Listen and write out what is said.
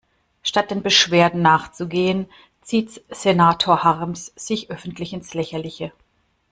Statt den Beschwerden nachzugehen, zieht Senator Harms sie öffentlich ins Lächerliche.